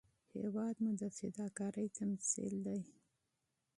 هېواد مو د فداکارۍ تمثیل دی